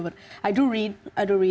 tapi saya membaca saya membaca